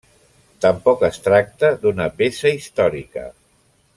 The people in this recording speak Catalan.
Tampoc es tracta d'una peça històrica.